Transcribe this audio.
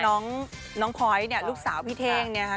น้องพลอยเนี่ยลูกสาวพี่เท่งเนี่ยค่ะ